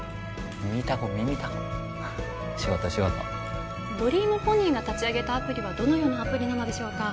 耳タコ耳タコ仕事仕事ドリームポニーが立ち上げたアプリはどのようなアプリなのでしょうか